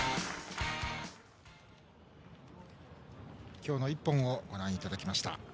今日の一本をご覧いただきました。